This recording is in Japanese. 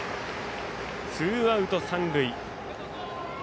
ツーアウト、三塁。